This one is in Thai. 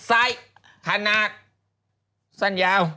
ไซค์ธนาคสั้นยาว